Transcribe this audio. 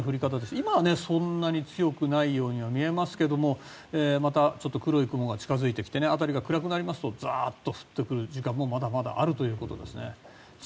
今はそんなに強くないように見えますがまた黒い雲が近づいてきて辺りが暗くなりますとざっと降ってくる時間もまだまだあるということです。